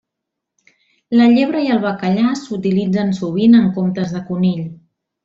La llebre i el bacallà s'utilitzen sovint en comptes de conill.